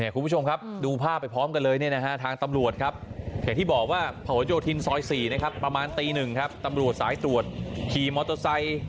คุณผู้ชมครับดูภาพไปพร้อมกันเลยทางตำรวจครับอย่างที่บอกว่าผโยธินซอย๔ประมาณตี๑ครับตำรวจสายตรวจขี่มอเตอร์ไซค์